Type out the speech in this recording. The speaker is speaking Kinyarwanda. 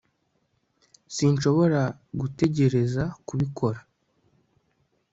sinshobora gutegereza kubikora